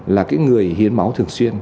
là cái người hiến máu thường xuyên